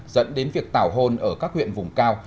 dẫn đến việc tảo hôn ở các huyện vùng cao